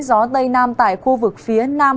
gió tây nam tại khu vực phía nam